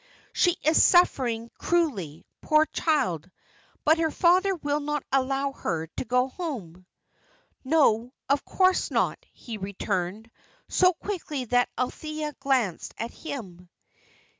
She is suffering cruelly, poor child; but her father will not allow her to go home." "No, of course not," he returned, so quickly that Althea glanced at him.